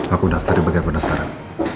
aku naftarin bagian penaftaran